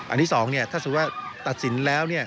ที่๒ถ้าสมมุติว่าตัดสินแล้ว